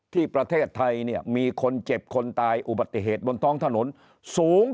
ที่ประเทศไทยเนี่ยมีคนเจ็บคนตายอุบัติเหตุบนท้องถนนสูง